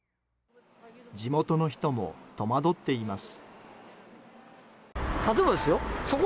地元の人も戸惑っています。